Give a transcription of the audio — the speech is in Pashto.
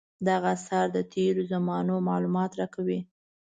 دغه اثار د تېرو زمانو معلومات راکوي.